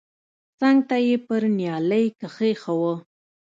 څنگ ته يې پر نيالۍ کښېښوه.